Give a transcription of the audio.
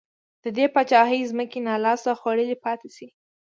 د دې پاچاهۍ ځمکې نا لاس خوړلې پاتې شي.